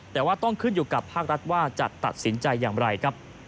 แต่ว่าต้องขึ้นอยู่กับภาครัฐว่าจะตัดสินใจอย่างไรครับ